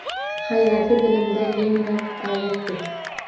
Hayrati dilimda yangrar oyatdek!